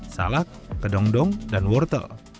salak kedong dong dan wortel